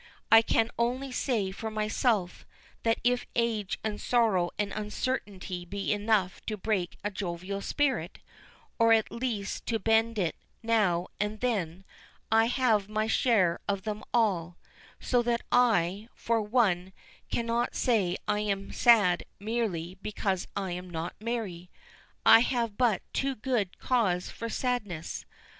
I can only say for myself, that if age and sorrow and uncertainty be enough to break a jovial spirit, or at least to bend it now and then, I have my share of them all; so that I, for one, cannot say that I am sad merely because I am not merry. I have but too good cause for sadness.